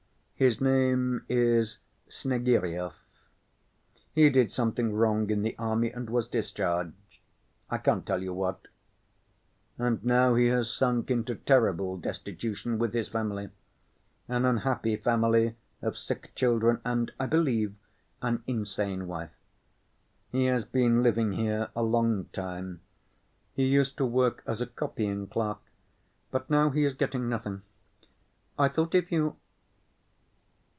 His name is Snegiryov. He did something wrong in the army and was discharged. I can't tell you what. And now he has sunk into terrible destitution, with his family—an unhappy family of sick children, and, I believe, an insane wife. He has been living here a long time; he used to work as a copying clerk, but now he is getting nothing. I thought if you